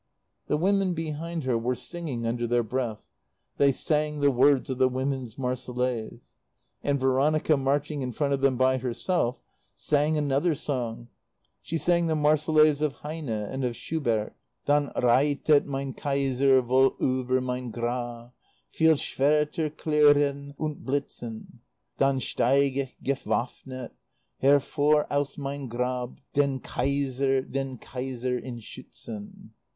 The women behind her were singing under their breath. They sang the words of the Women's Marseillaise. And Veronica, marching in front of them by herself, sang another song. She sang the Marseillaise of Heine and of Schumann. "'Daun reitet mein Kaiser wohl über mein Grab, Viel' Schwerter klirren und blitzen; Dann steig' ich gewaffnet hervor aus mein Grab, Den Kaiser, den Kaiser zu schützen!'"